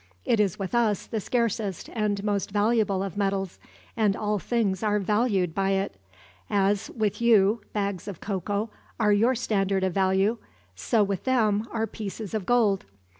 "It is with us the scarcest and most valuable of metals, and all things are valued by it. As with you bags of cocoa are your standard of value, so with them are pieces of gold.